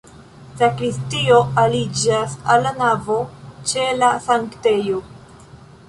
Sakristio aliĝas al la navo ĉe la sanktejo.